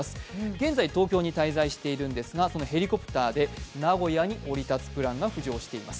現在東京に滞在しているんですが、ヘリコプターで名古屋に降り立つプランが浮上しています。